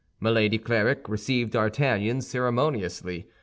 Milady Clarik received D'Artagnan ceremoniously.